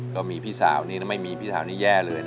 ก็มีพี่สาวนี่ถ้าไม่มีพี่สาวนี่แย่เลยนะ